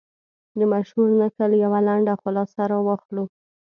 د مشهور نکل یوه لنډه خلاصه را واخلو.